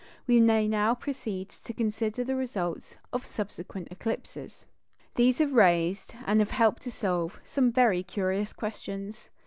We may now proceed to consider the results of subsequent eclipses. These have raised, and have helped to solve, some very curious questions.